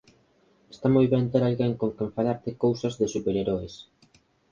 Está moi ben ter alguén con quen falar de cousas de superheroes.